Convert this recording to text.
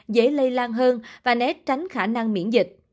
dễ lây lan hơn và né tránh khả năng miễn dịch